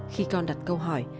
khi con đặt câu hỏi